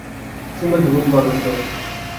সিম্বাকে খুব ভালোবাসে ও।